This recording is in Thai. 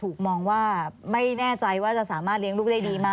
มองว่าไม่แน่ใจว่าจะสามารถเลี้ยงลูกได้ดีไหม